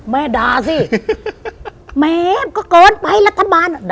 แม่ดาสิเมก็เกินไปรัฐบาล